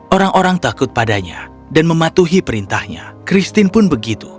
orang orang takut padanya dan mematuhi perintahnya christine pun begitu